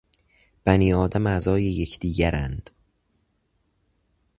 بنی آدم اعضای یکدیگرند